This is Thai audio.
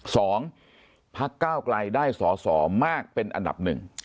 สองพักเก้าไกลได้สอสอมากเป็นอันดับหนึ่ง